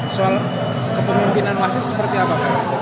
soal kepemimpinan wasit seperti apa